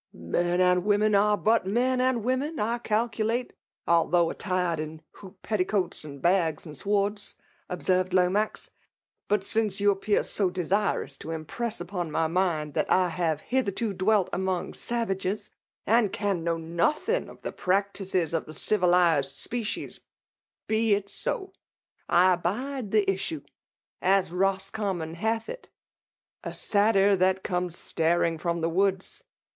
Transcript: '*.:^^•," Men and women are but men and vcuteds Lcakulate^ although attired in hoQp|>eltiteatB» and bags and swords/' observed I^maix ;'^' kmt since you appear so desirous to im^esd "vqpoif my mind that I have hitherto dwelt amolif; savages, and can know nothing of the' praise tipesof the civilized species — ^be it so ! I abidft 1^ issue« As Roscommon hath it^>^ * A Siltyt that comes ttuing from the woodi